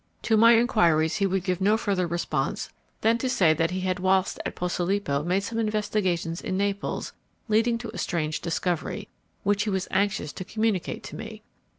To my inquiries he would give no further response than to say that he had whilst at Posilipo made some investigations in Naples leading to a strange discovery, which he was anxious to communicate to me.